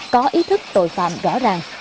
có ý thức tội phạm rõ ràng